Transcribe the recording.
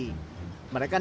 mereka nekat memperbaiki jalan